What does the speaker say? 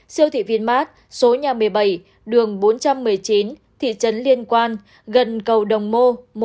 siêu thị vinmart số nhà một mươi bảy đường bốn trăm một mươi chín thị trấn liên quan gần cầu đồng mô